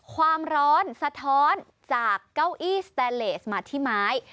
ความร้อนสะท้อนจากเก้าอี้สแตนเลสมาที่ไม้